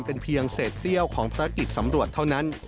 เป็นเพียงเศษเซี่ยวของภารกิจสำรวจเท่านั้น